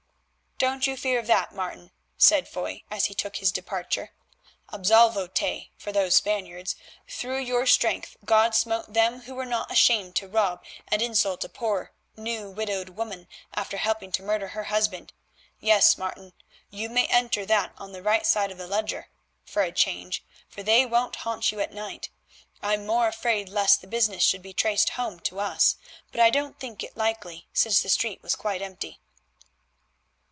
"Don't you fear for that, Martin," said Foy as he took his departure, "absolvo te for those Spaniards. Through your strength God smote them who were not ashamed to rob and insult a poor new widowed woman after helping to murder her husband. Yes, Martin, you may enter that on the right side of the ledger—for a change—for they won't haunt you at night. I'm more afraid lest the business should be traced home to us, but I don't think it likely since the street was quite empty."